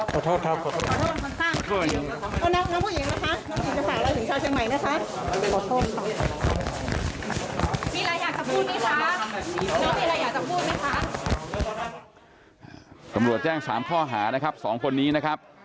กรมรวจแจ้ง๓ข้อหานะครับ๒คนนี้นะครับ